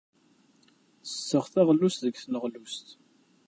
Ttesseɣ taɣlust deg tneɣlust.